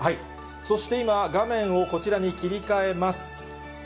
そして今、画面をこちらに切り替えます。